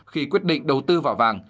khi quyết định đầu tư vào vàng